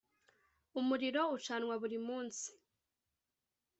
umuriro ucanwa buri munsi .